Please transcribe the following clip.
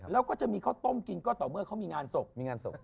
แล้วจะมีเขาต้มกินก็ต่อเมื่อเขามีงานศพ